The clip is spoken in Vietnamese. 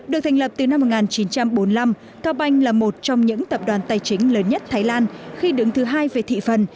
được thành lập từ năm một nghìn chín trăm bốn mươi năm cao banh là một trong những tập đoàn tài chính lớn nhất thái lan khi đứng thứ hai về thị phần